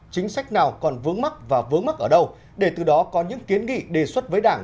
chính sách nào còn vướng mắc và vướng mắc ở đâu để từ đó có những kiến nghị đề xuất với đảng